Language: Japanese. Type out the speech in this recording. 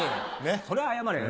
それを謝れよ。